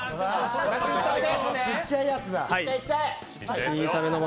ちっちゃいやつだ。